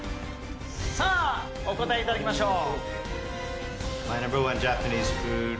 さあ、お答えいただきましょう。